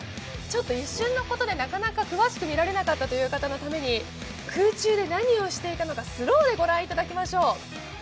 一瞬のことで詳しく見られなかったという方のために空中で何をしていたのか、スローでご覧いただきましょう。